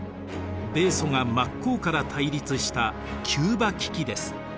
米ソが真っ向から対立したキューバ危機です。